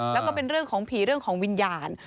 แล้วก็เป็นเรื่องของผีเรื่องของวิญญาณ